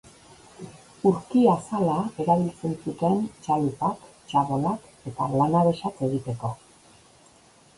Urki-azala erabiltzen zuten txalupak, txabolak eta lanabesak egiteko.